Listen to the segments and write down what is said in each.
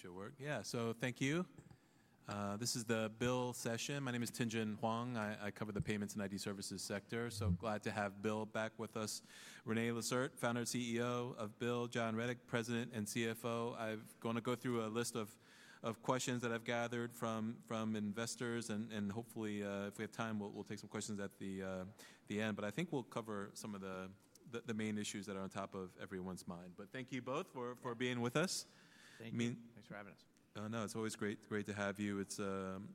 I think it should work. Yeah, thank you. This is the BILL session. My name is Tin Jun Hwang. I cover the payments and IT services sector. So glad to have BILL back with us. René Lacerte, Founder and CEO of BILL, John Rettig, President and CFO. I'm going to go through a list of questions that I've gathered from investors, and hopefully, if we have time, we'll take some questions at the end. I think we'll cover some of the main issues that are on top of everyone's mind. Thank you both for being with us. Thank you. Thanks for having us. No, it's always great to have you. It's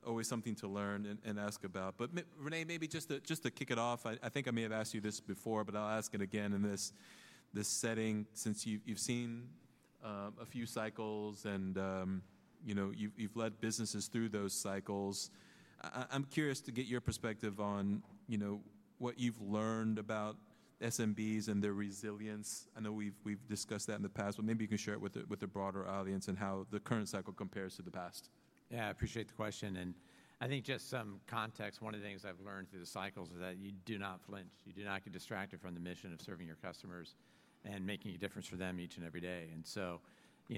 always something to learn and ask about. René, maybe just to kick it off, I think I may have asked you this before, but I'll ask it again in this setting. Since you've seen a few cycles and you've led businesses through those cycles, I'm curious to get your perspective on what you've learned about SMBs and their resilience. I know we've discussed that in the past, but maybe you can share it with the broader audience and how the current cycle compares to the past. Yeah, I appreciate the question. I think just some context, one of the things I've learned through the cycles is that you do not flinch. You do not get distracted from the mission of serving your customers and making a difference for them each and every day.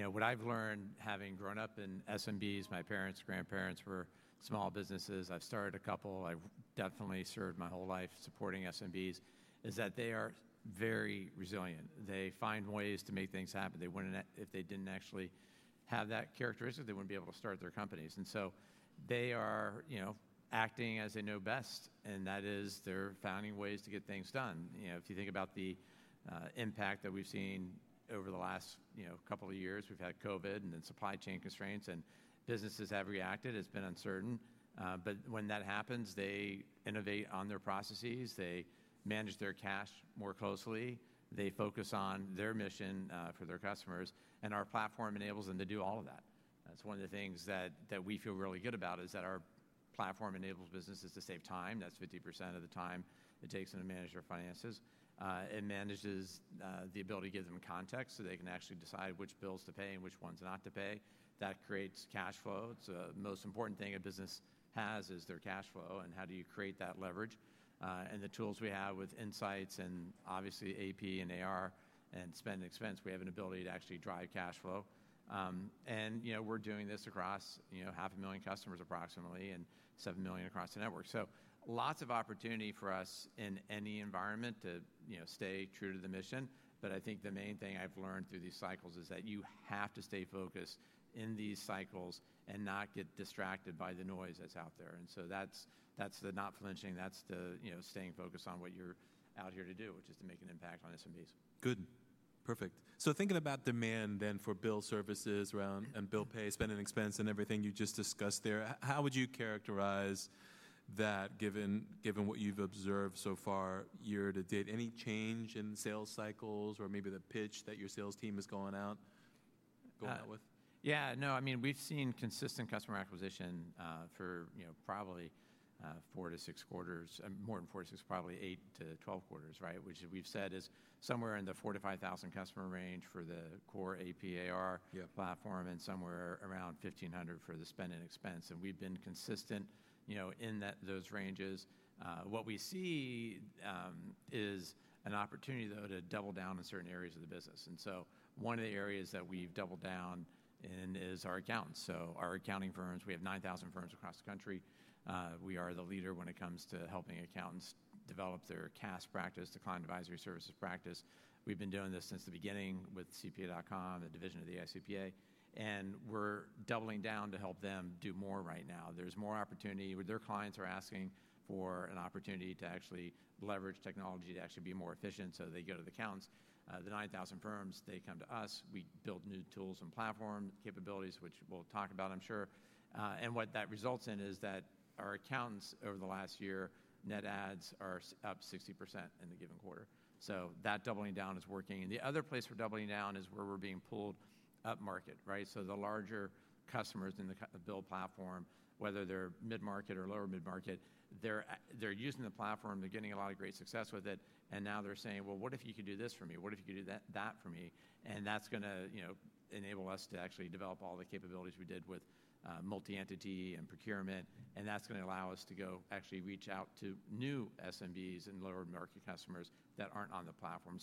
What I've learned, having grown up in SMBs, my parents, grandparents were small businesses. I've started a couple. I've definitely served my whole life supporting SMBs, is that they are very resilient. They find ways to make things happen. If they didn't actually have that characteristic, they wouldn't be able to start their companies. They are acting as they know best, and that is they're finding ways to get things done. If you think about the impact that we've seen over the last couple of years, we've had COVID and then supply chain constraints, and businesses have reacted. It's been uncertain. When that happens, they innovate on their processes. They manage their cash more closely. They focus on their mission for their customers. Our platform enables them to do all of that. That's one of the things that we feel really good about, is that our platform enables businesses to save time. That's 50% of the time it takes them to manage their finances. It manages the ability to give them context so they can actually decide which bills to pay and which ones not to pay. That creates cash flow. The most important thing a business has is their cash flow. How do you create that leverage? The tools we have with insights and obviously AP and AR and spend and expense, we have an ability to actually drive cash flow. We're doing this across 500,000 customers approximately and seven million across the network. Lots of opportunity for us in any environment to stay true to the mission. I think the main thing I've learned through these cycles is that you have to stay focused in these cycles and not get distracted by the noise that's out there. That's the not flinching. That's the staying focused on what you're out here to do, which is to make an impact on SMBs. Good. Perfect. Thinking about demand then for BILL services, and BILL Pay, Spend and Expense, and everything you just discussed there, how would you characterize that given what you've observed so far year to date? Any change in sales cycles or maybe the pitch that your sales team has gone out with? Yeah, no, I mean, we've seen consistent customer acquisition for probably four to six quarters, more than four to six, probably 8-12 quarters, right, which we've said is somewhere in the 4000-5000 customer range for the core AP AR platform and somewhere around 1500 for the spend and expense. We've been consistent in those ranges. What we see is an opportunity, though, to double down in certain areas of the business. One of the areas that we've doubled down in is our accountants. Our accounting firms, we have 9000 firms across the country. We are the leader when it comes to helping accountants develop their CAS practice, the client advisory services practice. We've been doing this since the beginning with cpa.com, the division of the AICPA. We're doubling down to help them do more right now. There's more opportunity. Their clients are asking for an opportunity to actually leverage technology to actually be more efficient. They go to the accountants. The 9,000 firms, they come to us. We build new tools and platform capabilities, which we'll talk about, I'm sure. What that results in is that our accountants, over the last year, net adds are up 60% in the given quarter. That doubling down is working. The other place for doubling down is where we're being pulled up market, right? The larger customers in the BILL platform, whether they're mid-market or lower mid-market, they're using the platform. They're getting a lot of great success with it. Now they're saying, what if you could do this for me? What if you could do that for me? That is going to enable us to actually develop all the capabilities we did with Multi-Entity and Procurement. That is going to allow us to go actually reach out to new SMBs and lower market customers that are not on the platform.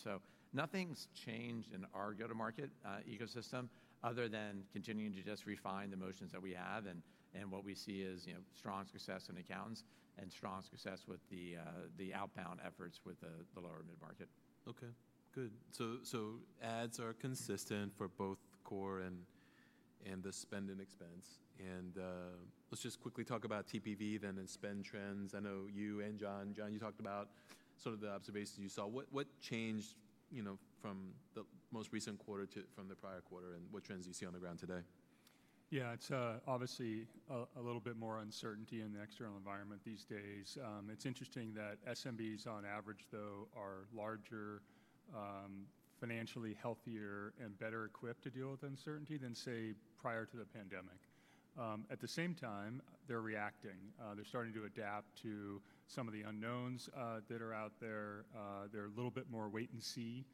Nothing has changed in our go-to-market ecosystem other than continuing to just refine the motions that we have. What we see is strong success in accountants and strong success with the outbound efforts with the lower mid-market. Okay, good. So adds are consistent for both core and the spend and expense. Let's just quickly talk about TPV then and spend trends. I know you and John, John, you talked about sort of the observations you saw. What changed from the most recent quarter to from the prior quarter? What trends do you see on the ground today? Yeah, it's obviously a little bit more uncertainty in the external environment these days. It's interesting that SMBs, on average, though, are larger, financially healthier, and better equipped to deal with uncertainty than, say, prior to the pandemic. At the same time, they're reacting. They're starting to adapt to some of the unknowns that are out there. They're a little bit more wait and see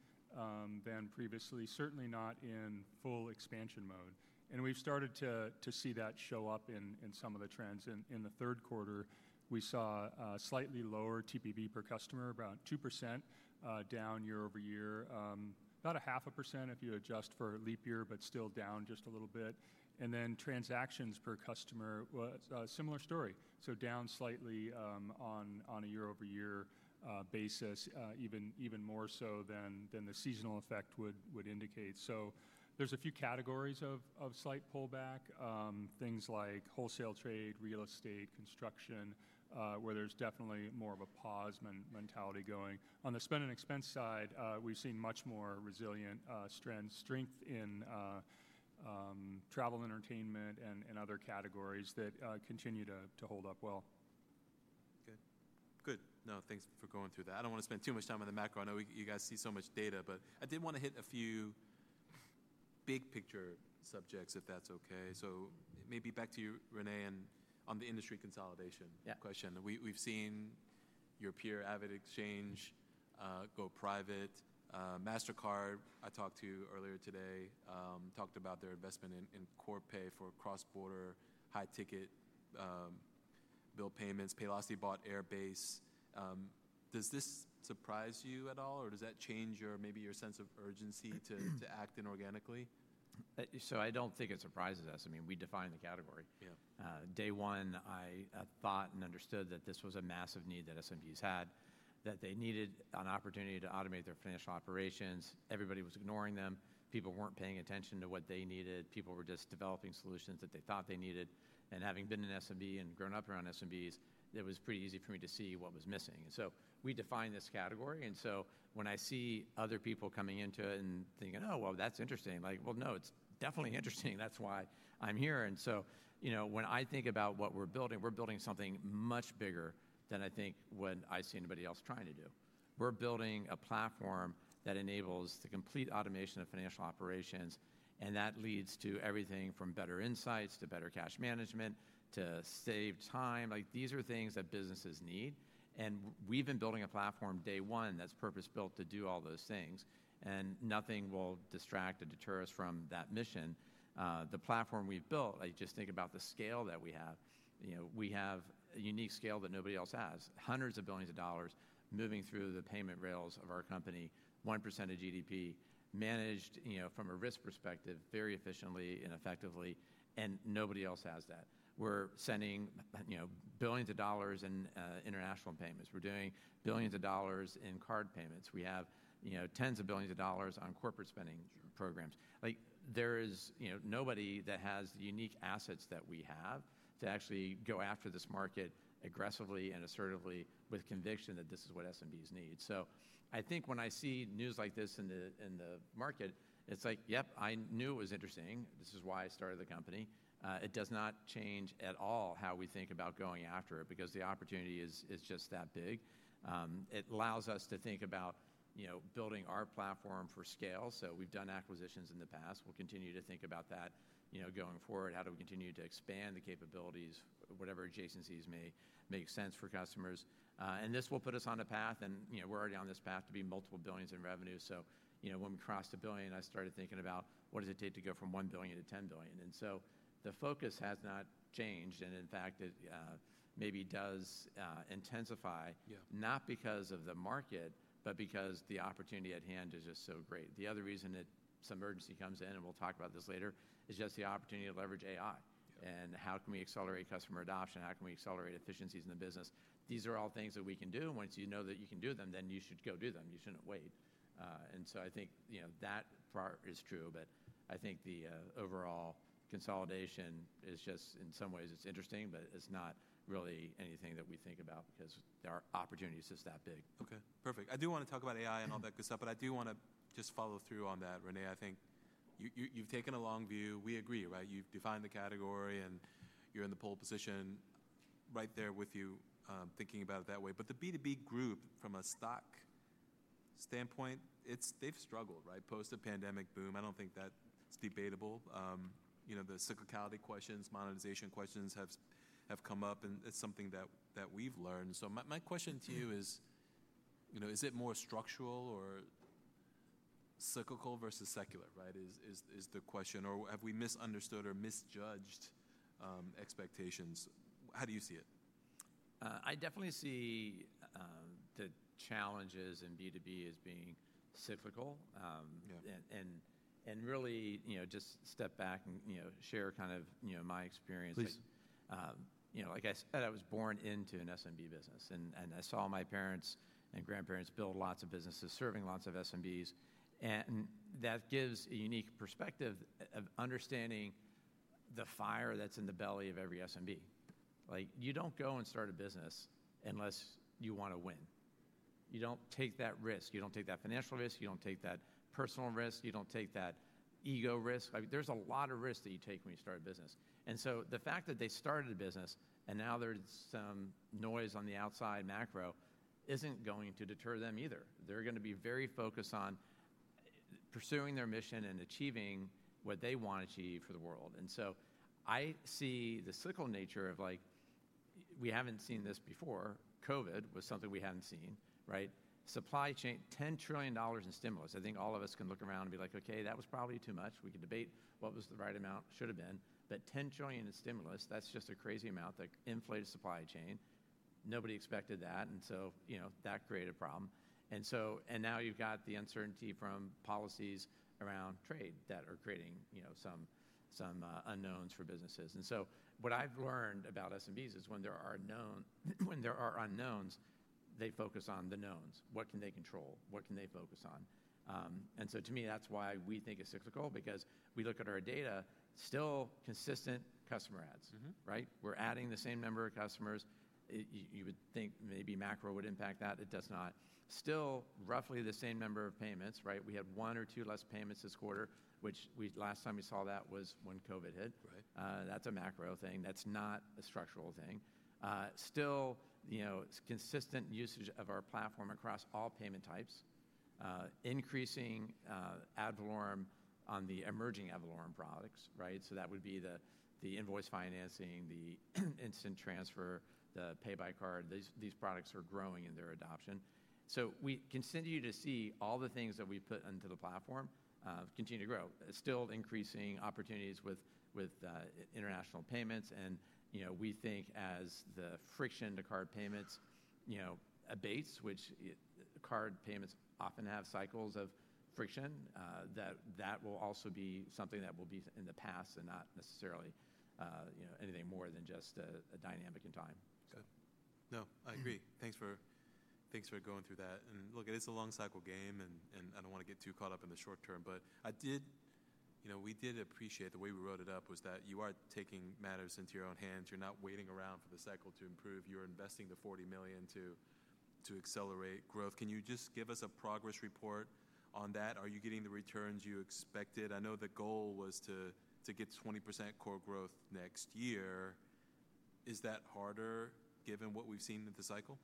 than previously, certainly not in full expansion mode. We have started to see that show up in some of the trends. In the third quarter, we saw a slightly lower TPV per customer, about 2% down year-over-year, about 0.5% if you adjust for leap year, but still down just a little bit. Transactions per customer, similar story. Down slightly on a year-over-year basis, even more so than the seasonal effect would indicate. There's a few categories of slight pullback, things like wholesale trade, real estate, construction, where there's definitely more of a pause mentality going. On the spend and expense side, we've seen much more resilient strength in travel, entertainment, and other categories that continue to hold up well. Good. Good. No, thanks for going through that. I don't want to spend too much time on the macro. I know you guys see so much data, but I did want to hit a few big picture subjects, if that's okay. Maybe back to you, René, and on the industry consolidation question. We've seen your peer, Avid Exchange, go private. Mastercard, I talked to earlier today, talked about their investment in core pay for cross-border high-ticket bill payments. Paylocity bought Airbase. Does this surprise you at all, or does that change maybe your sense of urgency to act inorganically? I don't think it surprises us. I mean, we define the category. Day one, I thought and understood that this was a massive need that SMBs had, that they needed an opportunity to automate their financial operations. Everybody was ignoring them. People weren't paying attention to what they needed. People were just developing solutions that they thought they needed. Having been in SMB and grown up around SMBs, it was pretty easy for me to see what was missing. We define this category. When I see other people coming into it and thinking, oh, well, that's interesting, like, well, no, it's definitely interesting. That's why I'm here. When I think about what we're building, we're building something much bigger than I think what I see anybody else trying to do. We're building a platform that enables the complete automation of financial operations. That leads to everything from better insights to better cash management to saved time. These are things that businesses need. We have been building a platform from day one that is purpose-built to do all those things. Nothing will distract and deter us from that mission. The platform we have built, I just think about the scale that we have. We have a unique scale that nobody else has. Hundreds of billions of dollars moving through the payment rails of our company, 1% of GDP, managed from a risk perspective, very efficiently and effectively. Nobody else has that. We are sending billions of dollars in international payments. We are doing billions of dollars in card payments. We have tens of billions of dollars on corporate spending programs. There is nobody that has the unique assets that we have to actually go after this market aggressively and assertively with conviction that this is what SMBs need. I think when I see news like this in the market, it's like, yep, I knew it was interesting. This is why I started the company. It does not change at all how we think about going after it because the opportunity is just that big. It allows us to think about building our platform for scale. We have done acquisitions in the past. We will continue to think about that going forward. How do we continue to expand the capabilities, whatever adjacencies may make sense for customers? This will put us on a path. We are already on this path to be multiple billions in revenue. When we crossed a billion, I started thinking about what does it take to go from $1 billion to $10 billion? The focus has not changed. In fact, it maybe does intensify, not because of the market, but because the opportunity at hand is just so great. The other reason that some urgency comes in, and we'll talk about this later, is just the opportunity to leverage AI and how can we accelerate customer adoption? How can we accelerate efficiencies in the business? These are all things that we can do. Once you know that you can do them, then you should go do them. You shouldn't wait. I think that part is true. I think the overall consolidation is just, in some ways, it's interesting, but it's not really anything that we think about because our opportunity is just that big. Okay, perfect. I do want to talk about AI and all that good stuff, but I do want to just follow through on that, René. I think you've taken a long view. We agree, right? You've defined the category, and you're in the pole position right there with you thinking about it that way. The B2B group, from a stock standpoint, they've struggled, right? Post the pandemic boom, I do not think that's debatable. The cyclicality questions, monetization questions have come up, and it's something that we've learned. My question to you is, is it more structural or cyclical versus secular, right, is the question? Or have we misunderstood or misjudged expectations? How do you see it? I definitely see the challenges in B2B as being cyclical. Really just step back and share kind of my experience. Like I said, I was born into an SMB business, and I saw my parents and grandparents build lots of businesses, serving lots of SMBs. That gives a unique perspective of understanding the fire that's in the belly of every SMB. You don't go and start a business unless you want to win. You don't take that risk. You don't take that financial risk. You don't take that personal risk. You don't take that ego risk. There are a lot of risks that you take when you start a business. The fact that they started a business and now there's some noise on the outside macro isn't going to deter them either. They're going to be very focused on pursuing their mission and achieving what they want to achieve for the world. I see the cyclical nature of, like, we haven't seen this before. COVID was something we hadn't seen, right? Supply chain, $10 trillion in stimulus. I think all of us can look around and be like, okay, that was probably too much. We could debate what the right amount should have been. But $10 trillion in stimulus, that's just a crazy amount that inflated supply chain. Nobody expected that. That created a problem. Now you've got the uncertainty from policies around trade that are creating some unknowns for businesses. What I've learned about SMBs is when there are unknowns, they focus on the knowns. What can they control? What can they focus on? To me, that's why we think it's cyclical, because we look at our data, still consistent customer adds, right? We're adding the same number of customers. You would think maybe macro would impact that. It does not. Still roughly the same number of payments, right? We had one or two less payments this quarter, which last time we saw that was when COVID hit. That's a macro thing. That's not a structural thing. Still consistent usage of our platform across all payment types, increasing ad valorem on the emerging ad valorem products, right? That would be the invoice financing, the instant transfer, the pay by card. These products are growing in their adoption. We continue to see all the things that we put into the platform continue to grow. Still increasing opportunities with international payments. We think as the friction to card payments abates, which card payments often have cycles of friction, that will also be something that will be in the past and not necessarily anything more than just a dynamic in time. Okay. No, I agree. Thanks for going through that. Look, it is a long cycle game, and I don't want to get too caught up in the short term, but we did appreciate the way we wrote it up was that you are taking matters into your own hands. You're not waiting around for the cycle to improve. You're investing the $40 million to accelerate growth. Can you just give us a progress report on that? Are you getting the returns you expected? I know the goal was to get 20% core growth next year. Is that harder given what we've seen in the cycle?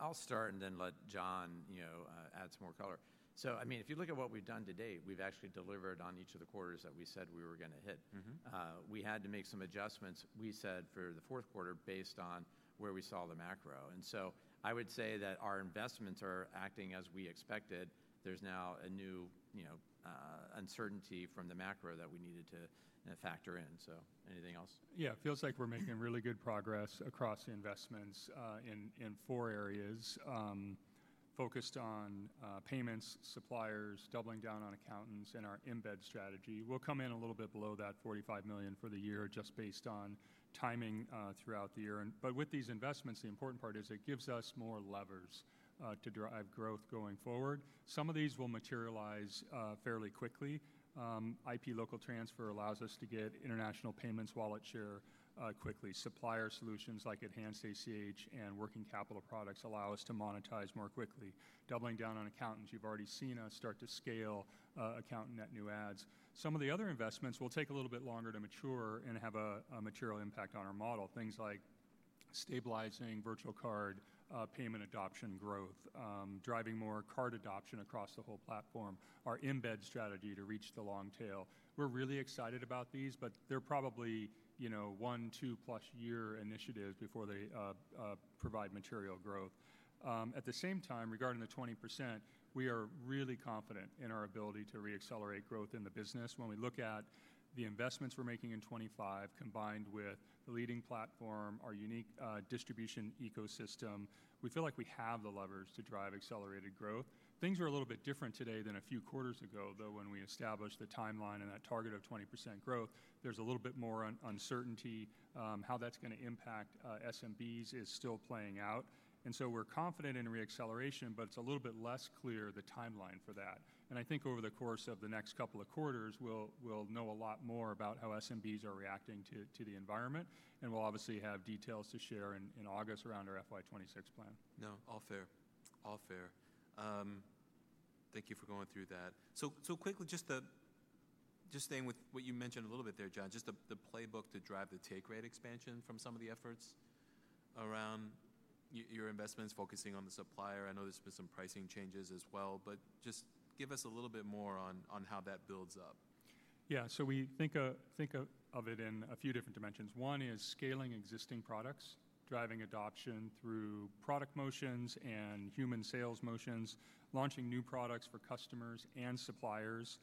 I'll start and then let John add some more color. I mean, if you look at what we've done today, we've actually delivered on each of the quarters that we said we were going to hit. We had to make some adjustments, we said, for the fourth quarter based on where we saw the macro. I would say that our investments are acting as we expected. There's now a new uncertainty from the macro that we needed to factor in. Anything else? Yeah, it feels like we're making really good progress across investments in four areas focused on payments, suppliers, doubling down on accountants, and our embed strategy. We'll come in a little bit below that $45 million for the year just based on timing throughout the year. With these investments, the important part is it gives us more levers to drive growth going forward. Some of these will materialize fairly quickly. IP local transfer allows us to get international payments wallet share quickly. Supplier solutions like Enhanced ACH and working capital products allow us to monetize more quickly. Doubling down on accountants, you've already seen us start to scale accountant net new adds. Some of the other investments will take a little bit longer to mature and have a material impact on our model. Things like stabilizing virtual card payment adoption growth, driving more card adoption across the whole platform, our embed strategy to reach the long tail. We're really excited about these, but they're probably one- to two-plus-year initiatives before they provide material growth. At the same time, regarding the 20%, we are really confident in our ability to reaccelerate growth in the business. When we look at the investments we're making in 2025 combined with the leading platform, our unique distribution ecosystem, we feel like we have the levers to drive accelerated growth. Things are a little bit different today than a few quarters ago, though when we established the timeline and that target of 20% growth, there's a little bit more uncertainty. How that's going to impact SMBs is still playing out. We're confident in reacceleration, but it's a little bit less clear the timeline for that. I think over the course of the next couple of quarters, we'll know a lot more about how SMBs are reacting to the environment. We'll obviously have details to share in August around our FY2026 plan. No, all fair. All fair. Thank you for going through that. Quickly, just staying with what you mentioned a little bit there, John, just the playbook to drive the take rate expansion from some of the efforts around your investments focusing on the supplier. I know there's been some pricing changes as well, but just give us a little bit more on how that builds up. Yeah, so we think of it in a few different dimensions. One is scaling existing products, driving adoption through product motions and human sales motions, launching new products for customers and suppliers.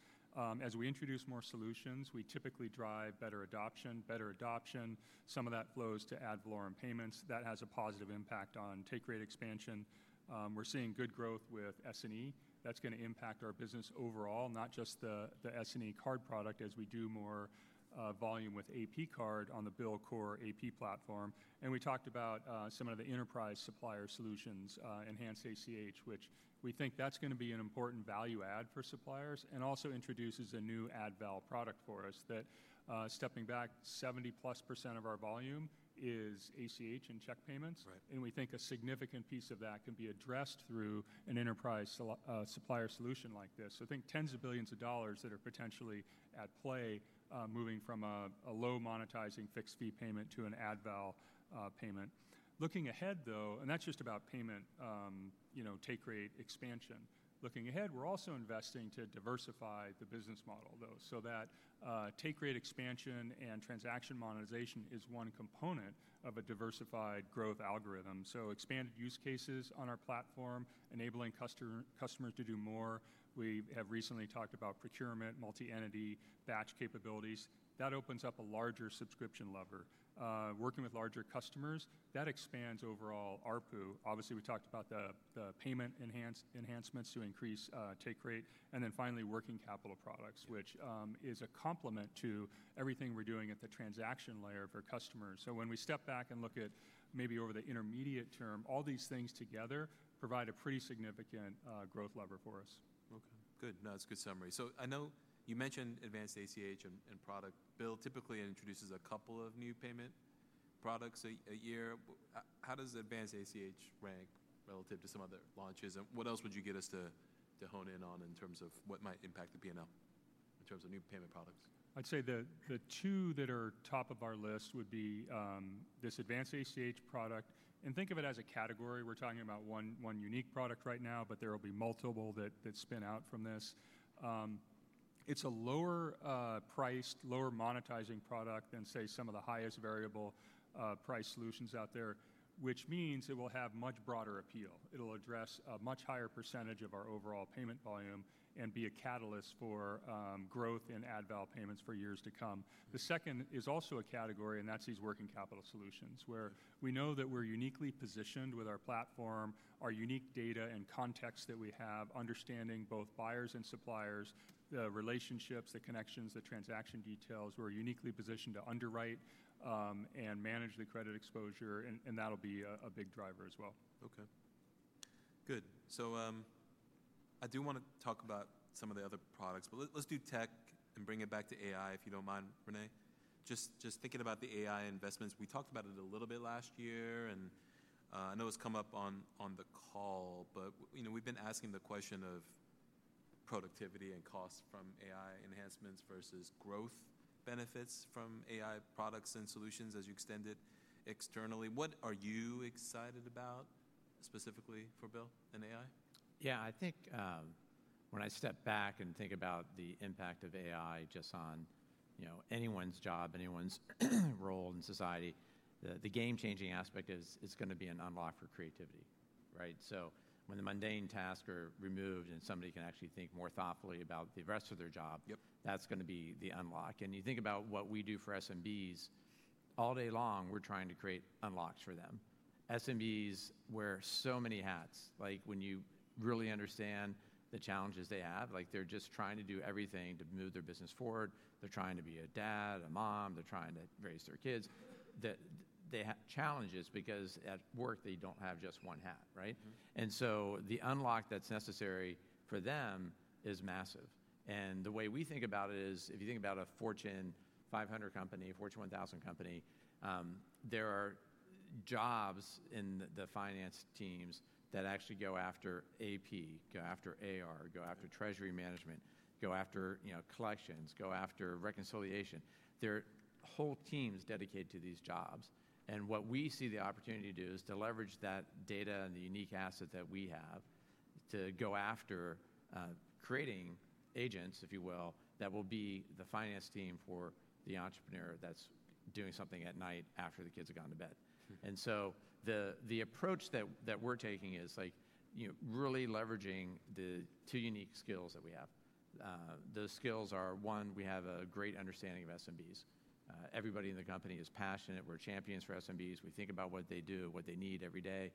As we introduce more solutions, we typically drive better adoption, better adoption. Some of that flows to ad valorem payments. That has a positive impact on take rate expansion. We're seeing good growth with S&E. That's going to impact our business overall, not just the S&E card product as we do more volume with AP card on the BILL Core AP platform. We talked about some of the enterprise supplier solutions, Enhanced ACH, which we think that's going to be an important value add for suppliers and also introduces a new ad val product for us that, stepping back, 70+% of our volume is ACH and check payments. We think a significant piece of that can be addressed through an enterprise supplier solution like this. I think tens of billions of dollars that are potentially at play moving from a low monetizing fixed fee payment to an ad val payment. Looking ahead, though, and that's just about payment take rate expansion. Looking ahead, we're also investing to diversify the business model, though, so that take rate expansion and transaction monetization is one component of a diversified growth algorithm. Expanded use cases on our platform, enabling customers to do more. We have recently talked about procurement, multi-entity batch capabilities. That opens up a larger subscription lever. Working with larger customers, that expands overall ARPU. Obviously, we talked about the payment enhancements to increase take rate. And then finally, working capital products, which is a complement to everything we're doing at the transaction layer for customers. When we step back and look at maybe over the intermediate term, all these things together provide a pretty significant growth lever for us. Okay, good. No, that's a good summary. I know you mentioned Advanced ACH and product BILL. Typically, it introduces a couple of new payment products a year. How does Advanced ACH rank relative to some other launches? What else would you get us to hone in on in terms of what might impact the P&L in terms of new payment products? I'd say the two that are top of our list would be this Advanced ACH product. Think of it as a category. We're talking about one unique product right now, but there will be multiple that spin out from this. It's a lower priced, lower monetizing product than, say, some of the highest variable price solutions out there, which means it will have much broader appeal. It'll address a much higher percentage of our overall payment volume and be a catalyst for growth in ad valorem payments for years to come. The second is also a category, and that's these working capital solutions where we know that we're uniquely positioned with our platform, our unique data and context that we have, understanding both buyers and suppliers, the relationships, the connections, the transaction details. We're uniquely positioned to underwrite and manage the credit exposure, and that'll be a big driver as well. Okay, good. I do want to talk about some of the other products, but let's do tech and bring it back to AI, if you don't mind, René. Just thinking about the AI investments, we talked about it a little bit last year, and I know it's come up on the call, but we've been asking the question of productivity and cost from AI enhancements versus growth benefits from AI products and solutions as you extend it externally. What are you excited about specifically for BILL and AI? Yeah, I think when I step back and think about the impact of AI just on anyone's job, anyone's role in society, the game-changing aspect is going to be an unlock for creativity, right? When the mundane tasks are removed and somebody can actually think more thoughtfully about the rest of their job, that's going to be the unlock. You think about what we do for SMBs. All day long, we're trying to create unlocks for them. SMBs wear so many hats. Like when you really understand the challenges they have, like they're just trying to do everything to move their business forward. They're trying to be a dad, a mom. They're trying to raise their kids. They have challenges because at work they don't have just one hat, right? The unlock that's necessary for them is massive. The way we think about it is if you think about a Fortune 500 company, a Fortune 1000 company, there are jobs in the finance teams that actually go after AP, go after AR, go after treasury management, go after collections, go after reconciliation. There are whole teams dedicated to these jobs. What we see the opportunity to do is to leverage that data and the unique asset that we have to go after creating agents, if you will, that will be the finance team for the entrepreneur that's doing something at night after the kids have gone to bed. The approach that we're taking is really leveraging the two unique skills that we have. Those skills are, one, we have a great understanding of SMBs. Everybody in the company is passionate. We're champions for SMBs. We think about what they do, what they need every day.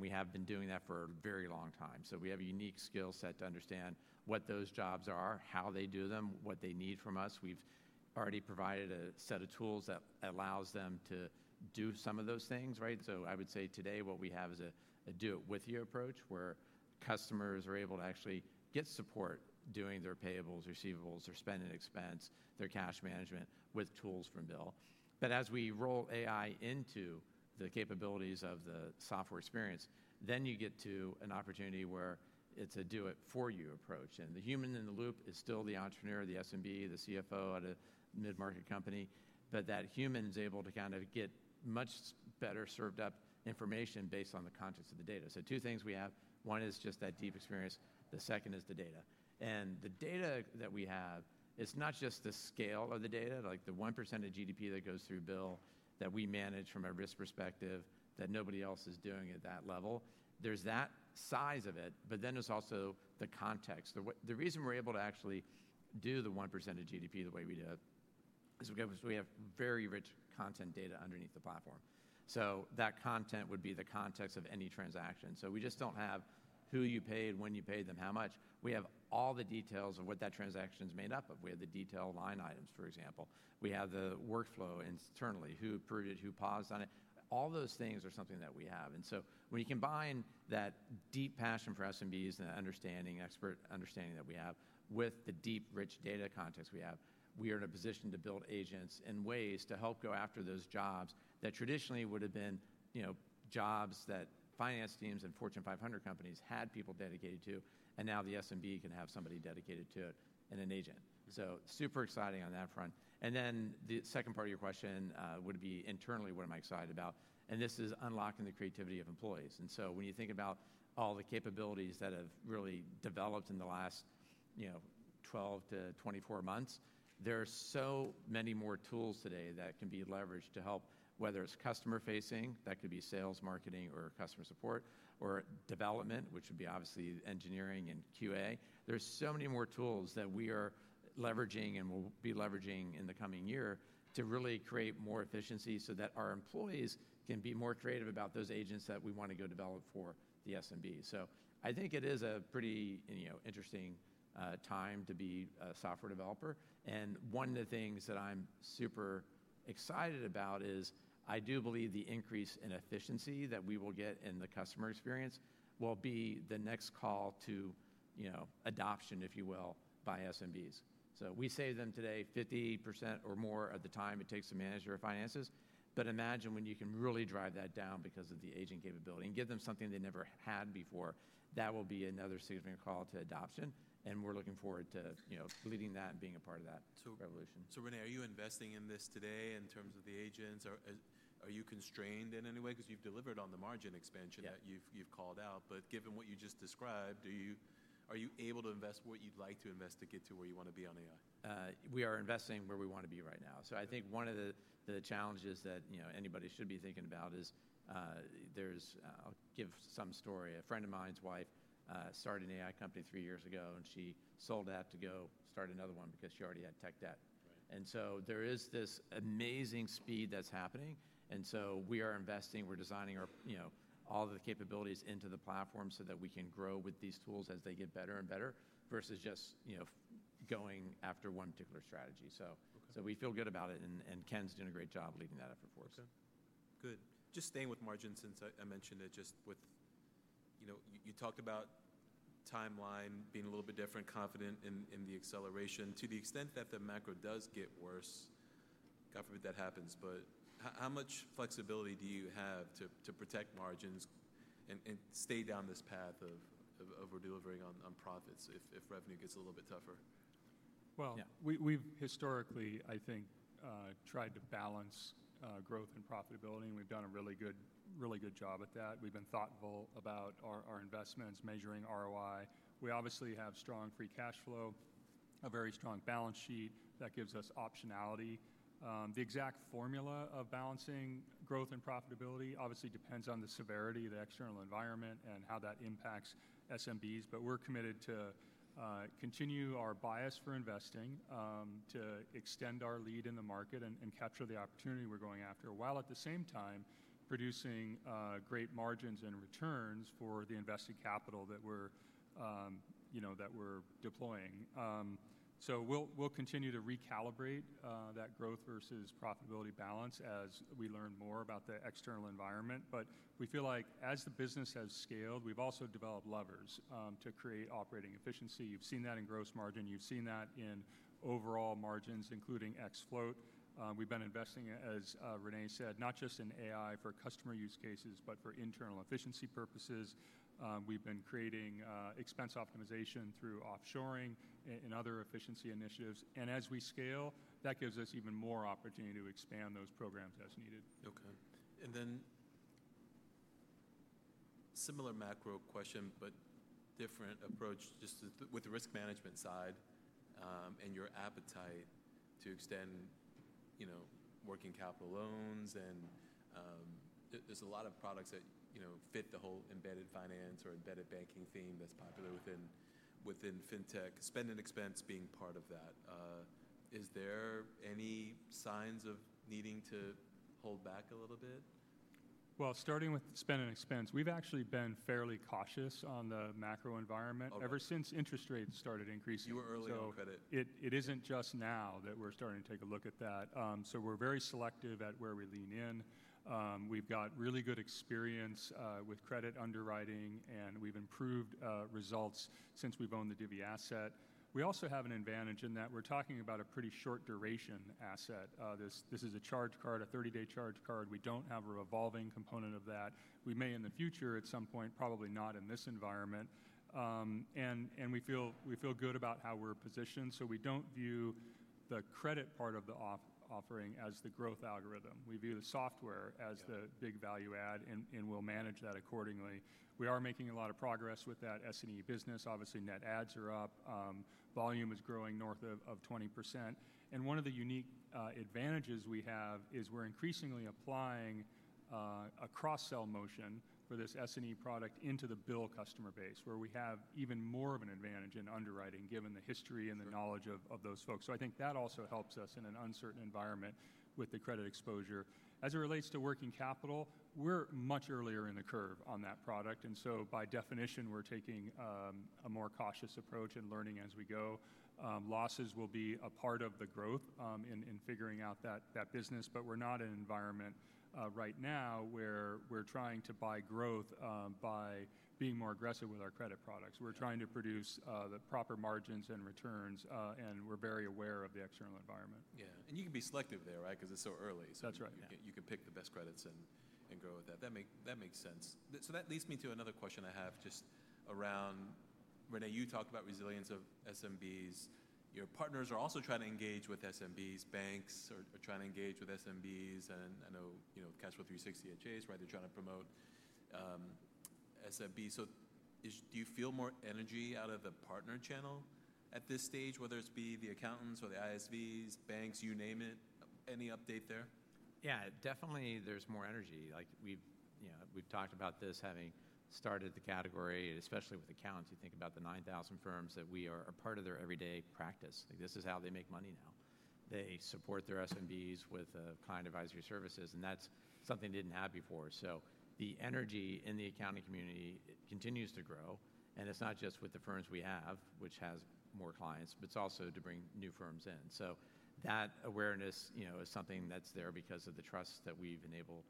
We have been doing that for a very long time. We have a unique skill set to understand what those jobs are, how they do them, what they need from us. We've already provided a set of tools that allows them to do some of those things, right? I would say today what we have is a do-it-with-you approach where customers are able to actually get support doing their payables, receivables, their spend and expense, their cash management with tools from BILL. As we roll AI into the capabilities of the software experience, you get to an opportunity where it's a do-it-for-you approach. The human in the loop is still the entrepreneur, the SMB, the CFO at a mid-market company. That human is able to kind of get much better served up information based on the context of the data. Two things we have. One is just that deep experience. The second is the data. The data that we have, it's not just the scale of the data, like the 1% of GDP that goes through BILL that we manage from a risk perspective that nobody else is doing at that level. There is that size of it, but then there is also the context. The reason we are able to actually do the 1% of GDP the way we did is because we have very rich content data underneath the platform. That content would be the context of any transaction. We just do not have who you paid, when you paid them, how much. We have all the details of what that transaction is made up of. We have the detailed line items, for example. We have the workflow internally, who approved it, who paused on it. All those things are something that we have. When you combine that deep passion for SMBs and the understanding, expert understanding that we have with the deep rich data context we have, we are in a position to build agents and ways to help go after those jobs that traditionally would have been jobs that finance teams and Fortune 500 companies had people dedicated to. Now the SMB can have somebody dedicated to it and an agent. Super exciting on that front. The second part of your question would be internally, what am I excited about? This is unlocking the creativity of employees. When you think about all the capabilities that have really developed in the last 12-24 months, there are so many more tools today that can be leveraged to help, whether it's customer facing, that could be sales, marketing, or customer support, or development, which would be obviously engineering and QA. There are so many more tools that we are leveraging and will be leveraging in the coming year to really create more efficiency so that our employees can be more creative about those agents that we want to go develop for the SMB. I think it is a pretty interesting time to be a software developer. One of the things that I'm super excited about is I do believe the increase in efficiency that we will get in the customer experience will be the next call to adoption, if you will, by SMBs. We save them today 50% or more of the time it takes to manage their finances. Imagine when you can really drive that down because of the agent capability and give them something they never had before. That will be another significant call to adoption. We are looking forward to leading that and being a part of that revolution. René, are you investing in this today in terms of the agents? Are you constrained in any way? Because you've delivered on the margin expansion that you've called out. Given what you just described, are you able to invest what you'd like to invest to get to where you want to be on AI? We are investing where we want to be right now. I think one of the challenges that anybody should be thinking about is there's, I'll give some story. A friend of mine's wife started an AI company three years ago, and she sold that to go start another one because she already had tech debt. There is this amazing speed that's happening. We are investing. We're designing all of the capabilities into the platform so that we can grow with these tools as they get better and better versus just going after one particular strategy. We feel good about it. Ken's doing a great job leading that effort for us. Okay, good. Just staying with margin, since I mentioned it just with you talked about timeline being a little bit different, confident in the acceleration. To the extent that the macro does get worse, God forbid that happens, but how much flexibility do you have to protect margins and stay down this path of over-delivering on profits if revenue gets a little bit tougher? We have historically, I think, tried to balance growth and profitability. We have done a really good job at that. We have been thoughtful about our investments, measuring ROI. We obviously have strong free cash flow, a very strong balance sheet that gives us optionality. The exact formula of balancing growth and profitability obviously depends on the severity, the external environment, and how that impacts SMBs. We are committed to continue our bias for investing, to extend our lead in the market and capture the opportunity we are going after, while at the same time producing great margins and returns for the invested capital that we are deploying. We will continue to recalibrate that growth versus profitability balance as we learn more about the external environment. We feel like as the business has scaled, we have also developed levers to create operating efficiency. You have seen that in gross margin. You've seen that in overall margins, including ex-float. We've been investing, as René said, not just in AI for customer use cases, but for internal efficiency purposes. We've been creating expense optimization through offshoring and other efficiency initiatives. As we scale, that gives us even more opportunity to expand those programs as needed. Okay. Similar macro question, but different approach just with the risk management side and your appetite to extend working capital loans. There's a lot of products that fit the whole embedded finance or embedded banking theme that's popular within fintech, spend and expense being part of that. Is there any signs of needing to hold back a little bit? Starting with spend and expense, we've actually been fairly cautious on the macro environment ever since interest rates started increasing. You were early on credit. It isn't just now that we're starting to take a look at that. We're very selective at where we lean in. We've got really good experience with credit underwriting, and we've improved results since we've owned the Divvy asset. We also have an advantage in that we're talking about a pretty short duration asset. This is a charge card, a 30-day charge card. We don't have a revolving component of that. We may in the future at some point, probably not in this environment. We feel good about how we're positioned. We don't view the credit part of the offering as the growth algorithm. We view the software as the big value add and will manage that accordingly. We are making a lot of progress with that S&E business. Obviously, net adds are up. Volume is growing north of 20%. One of the unique advantages we have is we're increasingly applying a cross-sell motion for this S&E product into the BILL customer base, where we have even more of an advantage in underwriting given the history and the knowledge of those folks. I think that also helps us in an uncertain environment with the credit exposure. As it relates to working capital, we're much earlier in the curve on that product. By definition, we're taking a more cautious approach and learning as we go. Losses will be a part of the growth in figuring out that business. We're not in an environment right now where we're trying to buy growth by being more aggressive with our credit products. We're trying to produce the proper margins and returns, and we're very aware of the external environment. Yeah. You can be selective there, right? Because it's so early. That's right. You can pick the best credits and grow with that. That makes sense. That leads me to another question I have just around René. You talked about resilience of SMBs. Your partners are also trying to engage with SMBs. Banks are trying to engage with SMBs. I know Casper, 360, HHAs, right? They're trying to promote SMB. Do you feel more energy out of the partner channel at this stage, whether it be the accountants or the ISVs, banks, you name it? Any update there? Yeah, definitely there's more energy. We've talked about this having started the category, especially with accounts. You think about the 9,000 firms that we are a part of their everyday practice. This is how they make money now. They support their SMBs with client advisory services, and that's something they didn't have before. The energy in the accounting community continues to grow. It's not just with the firms we have, which has more clients, but it's also to bring new firms in. That awareness is something that's there because of the trust that we've enabled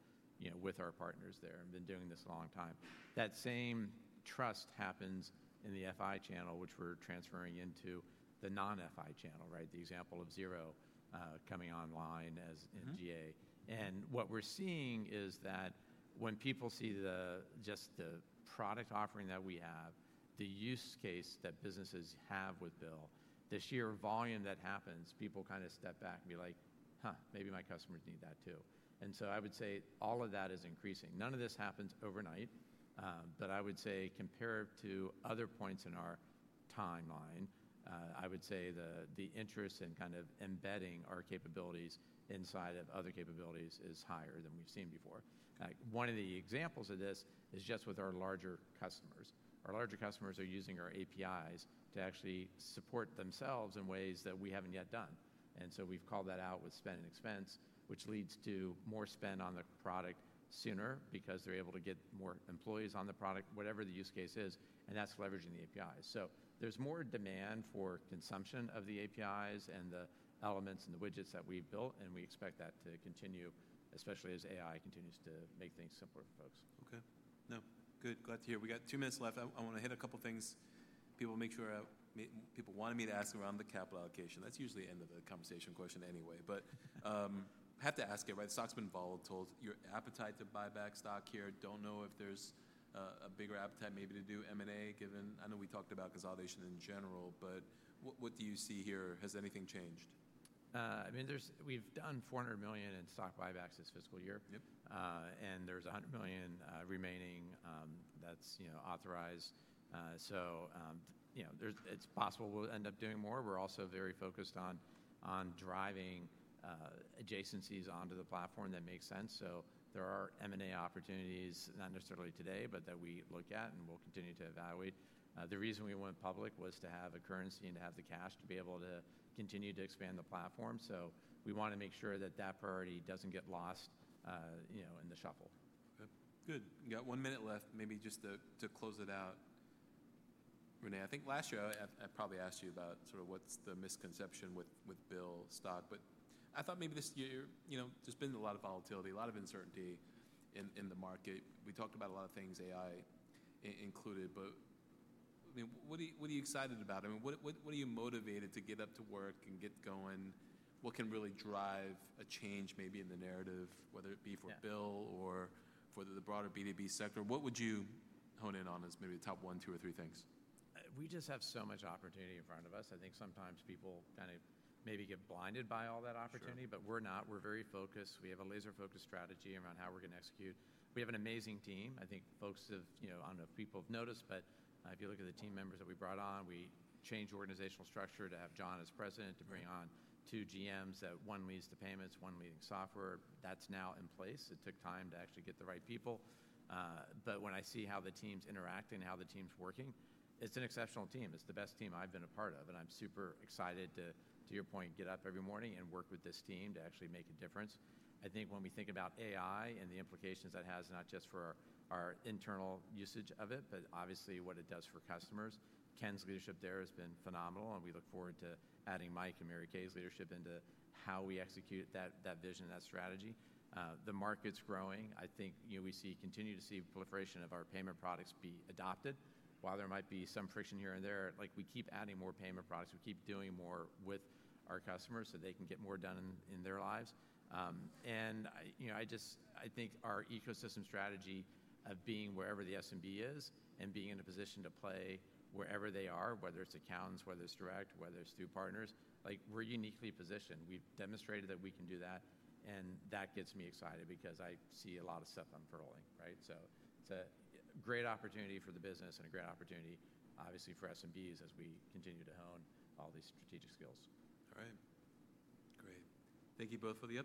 with our partners there. We've been doing this a long time. That same trust happens in the FI channel, which we're transferring into the non-FI channel, right? The example of Xero coming online as NGA. What we're seeing is that when people see just the product offering that we have, the use case that businesses have with BILL, the sheer volume that happens, people kind of step back and be like, "Huh, maybe my customers need that too." I would say all of that is increasing. None of this happens overnight. I would say compared to other points in our timeline, the interest in kind of embedding our capabilities inside of other capabilities is higher than we've seen before. One of the examples of this is just with our larger customers. Our larger customers are using our APIs to actually support themselves in ways that we haven't yet done. We have called that out with spend and expense, which leads to more spend on the product sooner because they are able to get more employees on the product, whatever the use case is. That is leveraging the APIs. There is more demand for consumption of the APIs and the elements and the widgets that we have built. We expect that to continue, especially as AI continues to make things simpler for folks. Okay. No, good. Glad to hear. We got two minutes left. I want to hit a couple of things. People wanted me to ask around the capital allocation. That's usually the end of the conversation question anyway. I have to ask it, right? Stock's been volatile. Your appetite to buy back stock here, don't know if there's a bigger appetite maybe to do M&A given I know we talked about consolidation in general, but what do you see here? Has anything changed? I mean, we've done $400 million in stock buybacks this fiscal year. There's $100 million remaining that's authorized. It's possible we'll end up doing more. We're also very focused on driving adjacencies onto the platform that make sense. There are M&A opportunities, not necessarily today, but that we look at and we'll continue to evaluate. The reason we went public was to have a currency and to have the cash to be able to continue to expand the platform. We want to make sure that that priority doesn't get lost in the shuffle. Good. We got one minute left. Maybe just to close it out, René, I think last year I probably asked you about sort of what's the misconception with BILL stock. I thought maybe this year there's been a lot of volatility, a lot of uncertainty in the market. We talked about a lot of things, AI included. What are you excited about? I mean, what are you motivated to get up to work and get going? What can really drive a change maybe in the narrative, whether it be for BILL or for the broader B2B sector? What would you hone in on as maybe the top one, two, or three things? We just have so much opportunity in front of us. I think sometimes people kind of maybe get blinded by all that opportunity, but we're not. We're very focused. We have a laser-focused strategy around how we're going to execute. We have an amazing team. I think folks have, I don't know if people have noticed, but if you look at the team members that we brought on, we changed organizational structure to have John as President to bring on two GMs, that one leads the payments, one leading software. That's now in place. It took time to actually get the right people. When I see how the teams interact and how the teams are working, it's an exceptional team. It's the best team I've been a part of. I'm super excited to, to your point, get up every morning and work with this team to actually make a difference. I think when we think about AI and the implications that has not just for our internal usage of it, but obviously what it does for customers, Ken's leadership there has been phenomenal. We look forward to adding Mike and Mary Kay's leadership into how we execute that vision, that strategy. The market's growing. I think we continue to see proliferation of our payment products be adopted. While there might be some friction here and there, we keep adding more payment products. We keep doing more with our customers so they can get more done in their lives. I just, I think our ecosystem strategy of being wherever the SMB is and being in a position to play wherever they are, whether it's accountants, whether it's direct, whether it's through partners, we're uniquely positioned. We've demonstrated that we can do that. That gets me excited because I see a lot of stuff unfurling, right? It's a great opportunity for the business and a great opportunity, obviously, for SMBs as we continue to hone all these strategic skills. All right. Great. Thank you both for the.